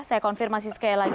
saya konfirmasi sekali lagi